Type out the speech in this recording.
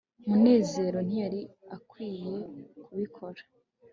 munezero ntiyari akwiye kubikora